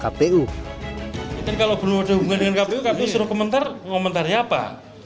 tapi kalau belum ada hubungan dengan kpu kami suruh komentar komentarnya apa